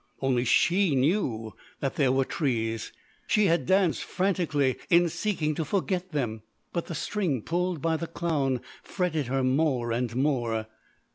Only she knew that there were trees. She had danced frantically in seeking to forget them, but the string pulled by the clown fretted her more and more.